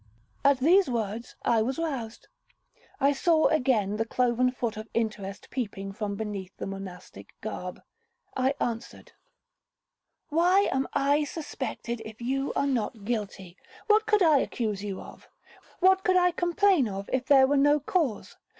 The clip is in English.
'—At these words I was roused. I saw again the cloven foot of interest peeping from beneath the monastic garb. I answered, 'Why am I suspected if you are not guilty? What could I accuse you of? What could I complain of if there were no cause?